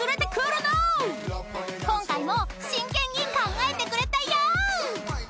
［今回も真剣に考えてくれたよ！］